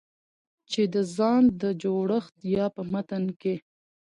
چې د ځان د جوړښت يا په متن کې